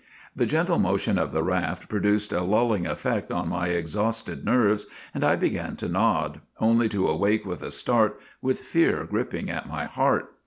" The gentle motion of the raft produced a lull ing effect on my exhausted nerves, and I began to nod, only to awake with a start, with fear gripping at my heart.